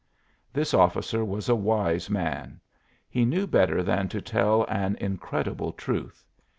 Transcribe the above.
This officer was a wise man; he knew better than to tell an incredible truth.